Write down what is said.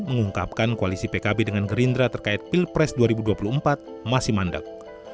mengungkapkan koalisi pkb dengan gerindra terkait pilpres dua ribu dua puluh empat masih mandek